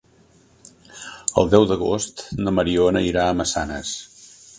El deu d'agost na Mariona irà a Massanes.